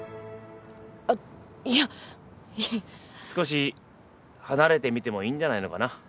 少し離れてみてもいいんじゃないのかな？